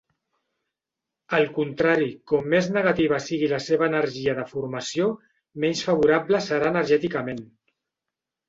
Al contrari, com més negativa sigui la seva energia de formació, menys favorable serà energèticament.